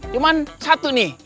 cuman satu nih